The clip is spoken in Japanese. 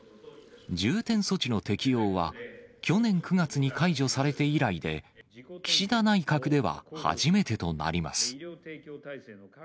重点措置の適用は、去年９月に解除されて以来で、岸田内閣では初めてとなります。